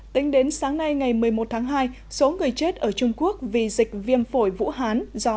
tính đến sáng nay ngày một mươi một tháng hai số người chết ở trung quốc vì dịch viêm phổi vũ hán do